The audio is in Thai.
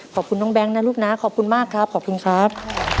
ขอบคุณน้องแก๊งนะลูกนะขอบคุณมากครับขอบคุณครับ